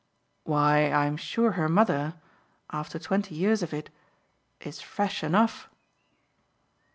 "Why I'm sure her mother after twenty years of it is fresh enough."